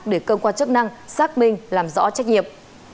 để cơ quan chức năng xác minh làm rõ trách nhiệm